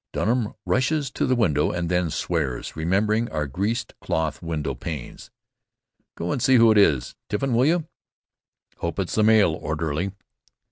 Dunham rushes to the window and then swears, remembering our greased cloth window panes. "Go and see who it is, Tiffin, will you? Hope it's the mail orderly."